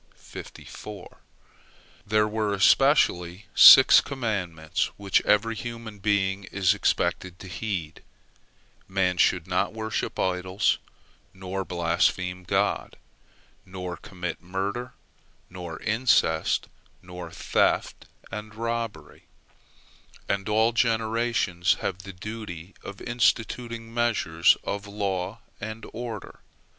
There were especially six commandments which every human being is expected to heed: man should not worship idols; nor blaspheme God; nor commit murder, nor incest, nor theft and robbery; and all generations have the duty of instituting measures of law and order.